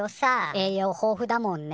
栄養豊富だもんね。